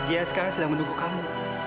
dia sekarang sedang menunggu kamu